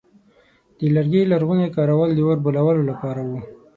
د لرګي لرغونی کارول د اور بلولو لپاره و.